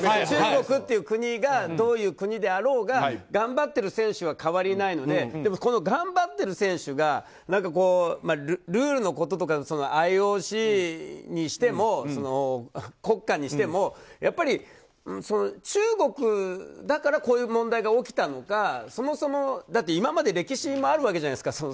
中国という国がどうであろうが頑張ってる選手は変わりないのででもこの頑張ってる選手がルールのこととかＩＯＣにしても国家にしても中国だからこういう問題が起きたのかそもそも、今まで歴史にもあるわけじゃないですか。